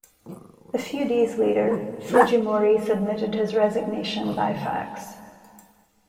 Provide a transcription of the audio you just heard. A few days later, Fujimori submitted his resignation by fax.